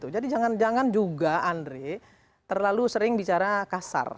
jadi jangan juga andre terlalu sering bicara kasar